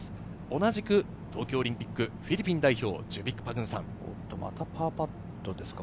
同じく東京オリンピック、フィリピン代表、ジュビック・パグンサン。